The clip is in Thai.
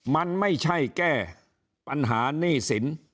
มันไม่ใช่แก้ปัญหาหนี้สิน